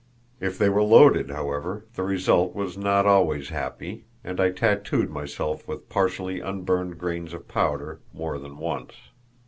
If they were loaded, however, the result was not always happy, and I tattooed myself with partially unburned grains of powder more than once.